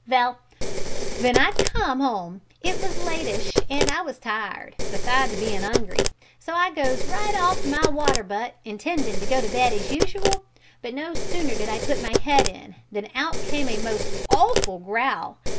"Vell, w'en I com'd 'ome it was lateish and I was tired, besides bein' 'ungry; so I goes right off to my water butt, intendin' to go to bed as usual, but no sooner did I put my head in, than out came a most awful growl.